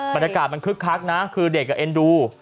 บรรยากาศมันคึกคักนะคือเด็กก็เอ็นดู